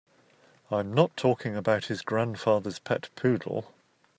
I'm not talking about his grandfather's pet poodle.